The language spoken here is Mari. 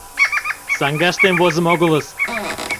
Саҥгаштем возымо огылыс.